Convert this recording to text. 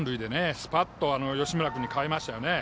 スパッと吉村君に代えましたね。